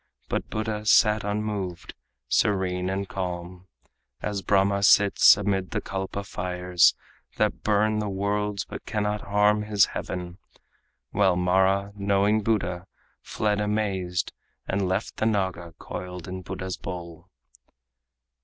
But Buddha sat unmoved, serene and calm As Brahma sits amid the kalpa fires That burn the worlds but cannot harm his heaven. While Mara, knowing Buddha, fled amazed And left the Naga coiled in Buddha's bowl.